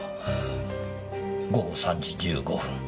午後３時１５分。